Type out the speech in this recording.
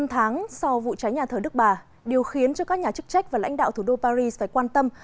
năm tháng sau vụ cháy nhà thờ đức bà điều khiến cho các nhà chức trách và lãnh đạo thủ đô paris phải quan tâm